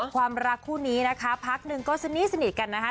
ความรักคู่นี้นะคะพักหนึ่งก็สนิทกันนะคะ